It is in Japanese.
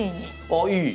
あっいい！